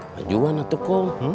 majuan atik kum